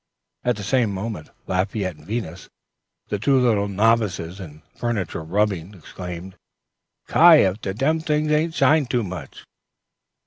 At the same moment, Lafayette and Venus, the two little novices in furniture rubbing, exclaimed, "Ki! if dem ting an't shine too much!"